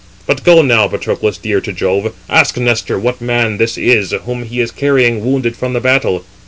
But go now, Patroclus, dear to Jove, ask Nestor what man this is whom he is carrying wounded from the battle.